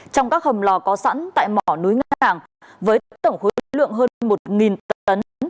trong các hầm lò có sẵn tại mỏ núi nàng với tổng khối lượng hơn một tấn